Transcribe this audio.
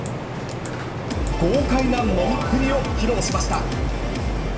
豪快な飲みっぷりを披露しました。